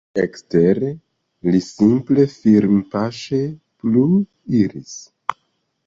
Ekstere, li simple firmpaŝe plu iris.